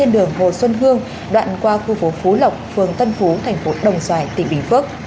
đường hồ xuân hương đoạn qua khu phố phú lộc phường tân phú thành phố đồng xoài tỉnh bình phước